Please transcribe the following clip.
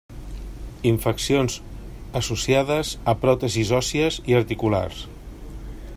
Infeccions associades a pròtesis òssies i articulares.